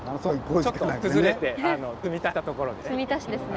ちょっと崩れて積み足したところですね。